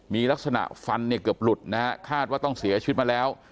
มีลักษณะฟันเนี่ยเกือบหลุดนะฮะคาดว่าต้องเสียชีวิตมาแล้ว